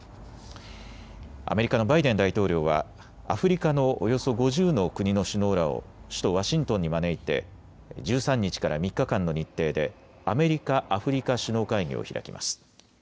アメリカのバイデン大統領はアフリカのおよそ５０の国の首脳らを首都ワシントンに招いて１３日から３日間の日程でアメリカ・アフリカ首脳会議を開きます。